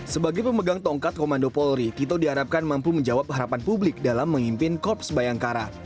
sebagai pemegang tongkat komando polri tito diharapkan mampu menjawab harapan publik dalam memimpin korps bayangkara